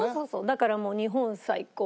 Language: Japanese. だからもう「日本最高！」。